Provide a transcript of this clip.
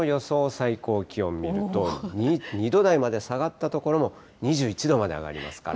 最高気温見ると、２度台まで下がった所も２１度まで上がりますから。